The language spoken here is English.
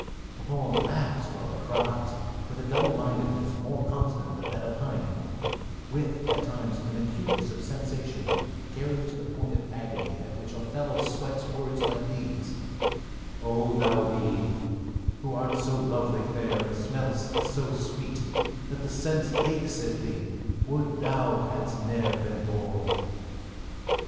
The poem laughs while it cries, with a double mindedness more constant than that of Heine; with, at times, an acuteness of sensation carried to the point of agony at which Othello sweats words like these: O thou weed, Who art so lovely fair, and smell'st so sweet That the sense aches at thee, would thou hadst ne'er been born!